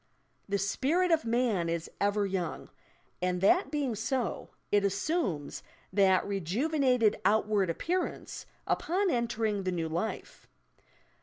"The spirit of man is ever young," and that being so, it assumes that rejuvenated outward appearance, upon entering the new life.